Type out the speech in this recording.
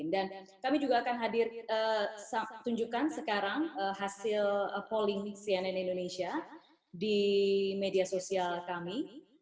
dan kami juga akan hadir tunjukkan sekarang hasil polling cnn indonesia di media sosial kami